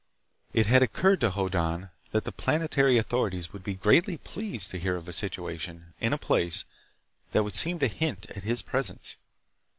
It had occurred to Hoddan that the planetary authorities would be greatly pleased to hear of a situation, in a place, that would seem to hint at his presence.